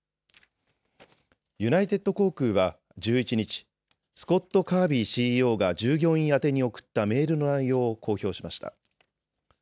ユナイテッド航空は１１日、スコット・カービーＣＥＯが従業員宛に送ったメールの内容を公表しました。